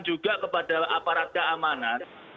juga kepada aparat keamanan